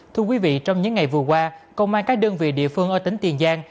thưa quý vị trong những ngày vừa qua công an các đơn vị địa phương ở tỉnh tiền giang